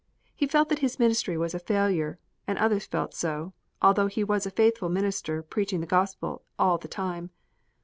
He felt that his ministry was a failure, and others felt so, although he was a faithful minister preaching the Gospel all the time.